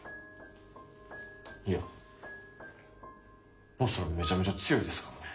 いやモスラめちゃめちゃ強いですからね。